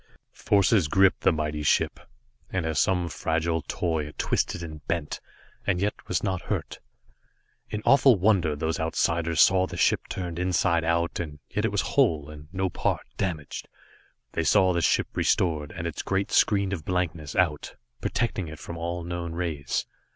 Forces gripped the mighty ship, and as some fragile toy it twisted and bent, and yet was not hurt. In awful wonder those Outsiders saw the ship turned inside out, and yet it was whole, and no part damaged. They saw the ship restored, and its great screen of blankness out, protecting it from all known rays.